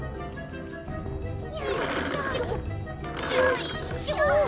よいしょよいしょ。